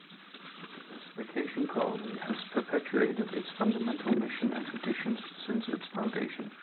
This vacation colony has perpetuated its fundamental mission and traditions since its foundation.